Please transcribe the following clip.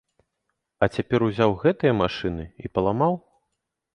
А цяпер узяў гэтыя машыны і паламаў?